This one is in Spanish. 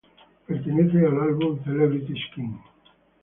Pertenece al álbum Celebrity Skin.